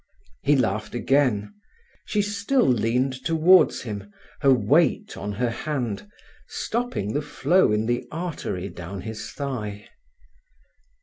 He laughed again. She still leaned towards him, her weight on her hand, stopping the flow in the artery down his thigh.